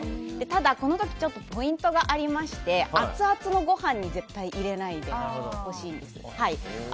ただ、この時ポイントがありましてアツアツのご飯に絶対入れないでほしいんです。